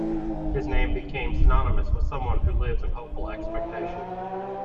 His name has become synonymous with someone who lives in hopeful expectation.